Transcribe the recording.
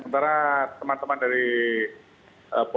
sementara teman teman dari polda metro jaya